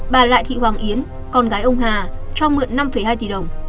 bà lại thị hoàng yến con gái ông hà cho mượn năm hai tỷ đồng